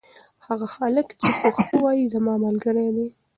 هغه هلک چې پښتو وايي زما ملګری دی.